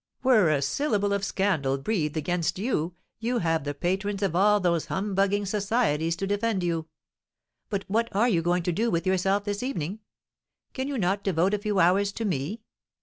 Were a syllable of scandal breathed against you, you have the patrons of all those humbugging Societies to defend you. But what are you going to do with yourself this evening? Can you not devote a few hours to me?"